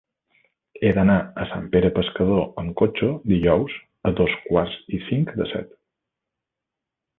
He d'anar a Sant Pere Pescador amb cotxe dijous a dos quarts i cinc de set.